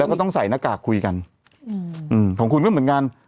แล้วก็ต้องใส่หน้ากากคุยกันของคุณก็เหมือนกัน